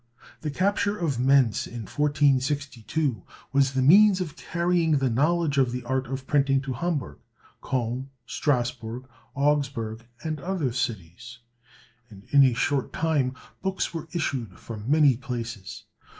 The capture of Mentz, in 1462, was the means of carrying the knowledge of the art of printing to Hamburg, Cologne, Strasbourg, Augsburg, and other cities; and in a short time books were issued from many places.